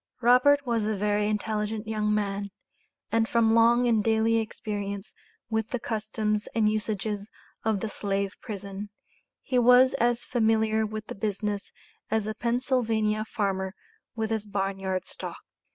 Robert was a very intelligent young man, and from long and daily experience with the customs and usages of the slave prison, he was as familiar with the business as a Pennsylvania farmer with his barn yard stock.